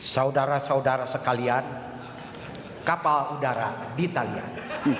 saudara saudara sekalian kapal udara di talian